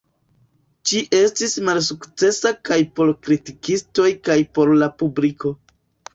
Ĝi estis malsukcesa kaj por kritikistoj kaj por la publiko.